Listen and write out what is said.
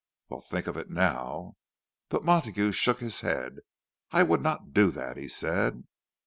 "Well, think of it now." But Montague shook his head. "I would not do that," he said.